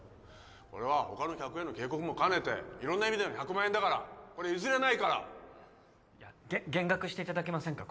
これは他の客への警告も兼ねて色んな意味での１００万円だからこれ譲れないから減額していただけませんか？